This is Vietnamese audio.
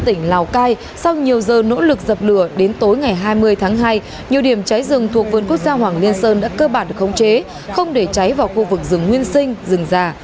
tỉnh lào cai sau nhiều giờ nỗ lực dập lửa đến tối ngày hai mươi tháng hai nhiều điểm cháy rừng thuộc vườn quốc gia hoàng liên sơn đã cơ bản được khống chế không để cháy vào khu vực rừng nguyên sinh rừng già